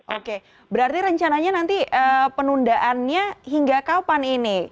oke berarti rencananya nanti penundaannya hingga kapan ini